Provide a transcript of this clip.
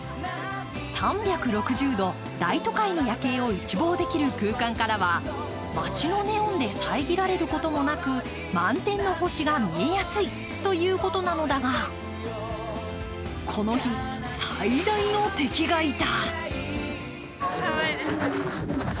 ３６０度大都会の夜景を一望できる空間からは、街のネオンでさえぎられることもなく満天の星が見えやすいということなのだがこの日、最大の敵がいた。